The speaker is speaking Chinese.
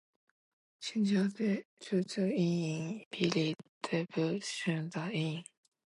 皇家铸币局剧院是比利时布鲁塞尔的一座剧院。